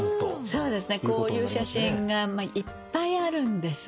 そうですねこういう写真がいっぱいあるんです。